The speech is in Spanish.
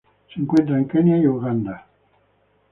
Se encuentran en Kenia y Uganda.